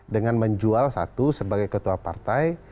dengan menjual satu sebagai ketua partai